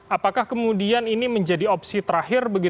apakah kemudian ini menjadi opsi terakhir